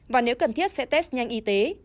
và nếu cần thiết sẽ test nhanh y tế